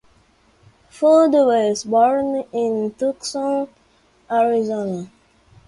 Fund was born in Tucson, Arizona.